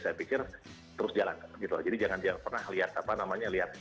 saya pikir terus jalankan jadi jangan pernah lihat